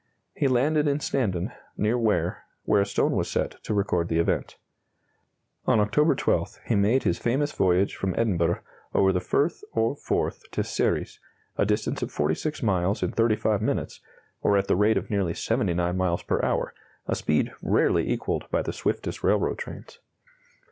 He landed in Standon, near Ware, where a stone was set to record the event. On October 12, he made his famous voyage from Edinburgh over the Firth of Forth to Ceres; a distance of 46 miles in 35 minutes, or at the rate of nearly 79 miles per hour; a speed rarely equalled by the swiftest railroad trains.